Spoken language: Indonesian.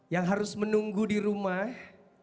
yang harus menunggu di rumah